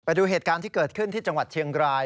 ดูเหตุการณ์ที่เกิดขึ้นที่จังหวัดเชียงราย